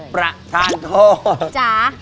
ประทานโทษ